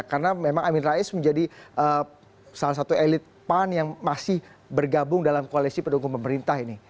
karena memang amin rais menjadi salah satu elit pan yang masih bergabung dalam koalisi pendukung pemerintah ini